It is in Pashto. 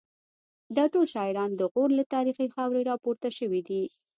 دا ټول شاعران د غور له تاریخي خاورې راپورته شوي دي